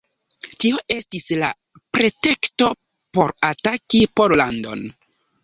Tio estis la preteksto por ataki Pollandon.